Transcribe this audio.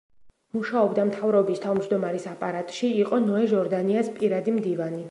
მუშაობდა მთავრობის თავმჯდომარის აპარატში, იყო ნოე ჟორდანიას პირადი მდივანი.